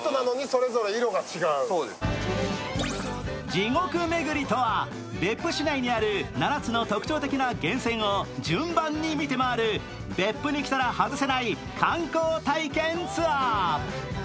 地獄めぐりとは別府市内にある７つの特徴的な源泉を順番に見て回る、別府に来たら外せない観光体験ツアー。